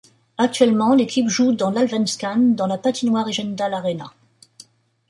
Actuellement, l'équipe joue dans l'Allsvenskan dans la patinoire Ejendals Arena.